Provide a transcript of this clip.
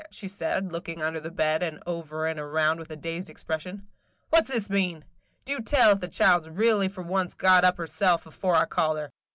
– where!" she said, looking under the bed, and over and around with a dazed expression. "What 's this mean? Do tell if the child 's really for once got up of herself afore I called her.